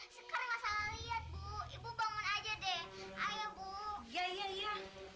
sekarang salah lihat bu ibu bangun aja deh ayo bu ya ya ya